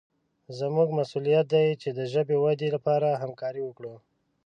زموږ مسوولیت دی چې د ژبې ودې لپاره همکاري وکړو.